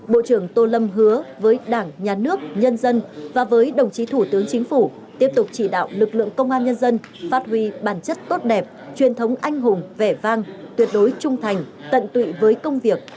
bộ trưởng tô lâm hứa với đảng nhà nước nhân dân và với đồng chí thủ tướng chính phủ tiếp tục chỉ đạo lực lượng công an nhân dân phát huy bản chất tốt đẹp truyền thống anh hùng vẻ vang tuyệt đối trung thành tận tụy với công việc